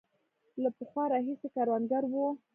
له پخوا راهیسې کروندګر وو.